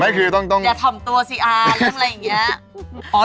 นี่คือต้องอย่าถ่อมตัวสิอ่าเรื่องอะไรอย่างนี้